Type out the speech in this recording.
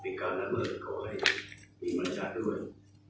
ที่การละเมิดเขาไว้เห็นติดมันชัดด้วย